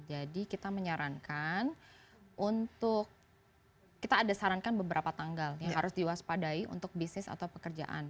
jadi kita menyarankan untuk kita ada sarankan beberapa tanggal yang harus diwaspadai untuk bisnis atau pekerjaan